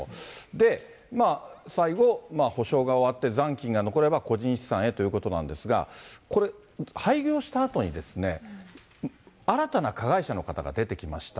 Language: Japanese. で、最後、補償が終わって、残金が残れば個人資産へということなんですが、これ、廃業したあとにですね、新たな加害者の方が出てきました。